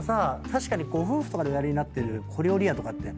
確かにご夫婦とかでおやりになってる小料理屋とかって。